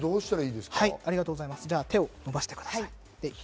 手を伸ばしてください。